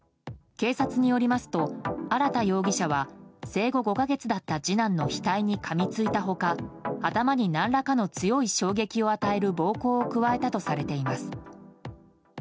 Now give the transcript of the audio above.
警察によりますと荒田容疑者は生後５か月だった次男の額にかみついた他頭に何らかの強い衝撃を与える暴行を加えたとされています。